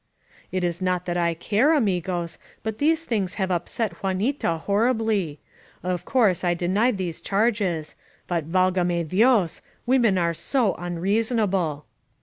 ^^It is not that I care, amigos^ but these things have upset Juanita horribly. Of course, I denied these charges, but, valgame Dios! women are so unreason able!